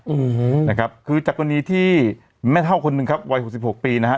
อืมนะครับคือจากกรณีที่แม่เท่าคนหนึ่งครับวัยหกสิบหกปีนะฮะ